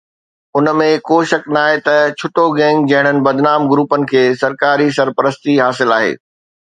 ان ۾ ڪو شڪ ناهي ته ڇٽو گينگ جهڙن بدنام گروپن کي سرڪاري سرپرستي حاصل آهي